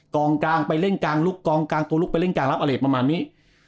กองกลางไปเล่นกลางลุกกองกลางตัวลุกไปเล่นกลางรับอะไรประมาณนี้